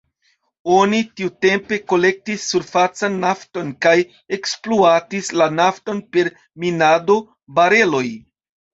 Oni tiutempe kolektis surfacan nafton kaj ekspluatis la nafton per minado, bareloj.